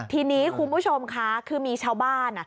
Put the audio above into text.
ทีนี้คุณผู้ชมค่ะคือมีชาวบ้าน